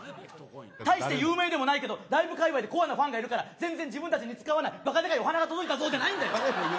大して有名ではないけど、ライブ界隈にコアなファンがいるから全然自分たちで使わないバカでかいお花が届いたよじゃないんだよ！